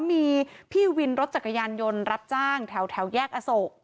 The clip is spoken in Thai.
มีพี่วินรถจักรยานยนต์รับจ้างแถวแยกอโศก